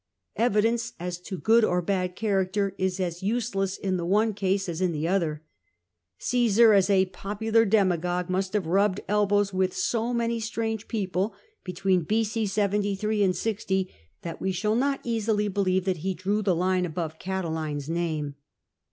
Evidence as to good or bad character is as useless in the one case as in the other. Ca?.sar, as a popular demagogue, must have rubbed elbows with so many strange people between b.c, 73 and 60, that we shall not easily believe that he drew the line above Catiline's name.